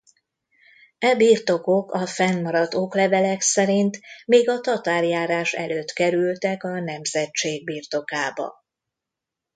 E birtokok a fennmaradt oklevelek szerint még a tatárjárás előtt kerültek a nemzetség birtokába.